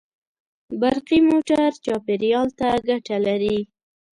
برقي موټر چاپېریال ته ګټه لري.